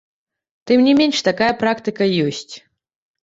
Тым не менш такая практыка ёсць.